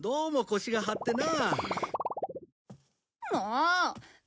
もう！